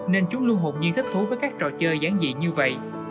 nên chúng luôn hụt nhiên thích thú với các trò chơi gián dị như vậy